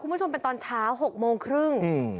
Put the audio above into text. คุณผู้ชมเป็นตอนเช้า๖โมงครึ่ง